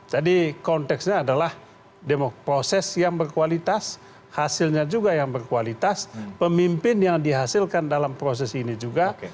jadi konteksnya adalah proses yang berkualitas hasilnya juga yang berkualitas pemimpin yang dihasilkan dalam proses ini juga